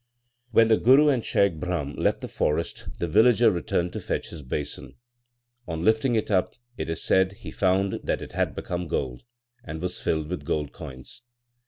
1 When the Guru and Shaikh Brahm left the forest the villager returned to fetch his basin. On lifting it up, it is said, he found that it had become gold, and was filled with gold coins.